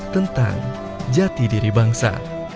tentang jati diri bangsa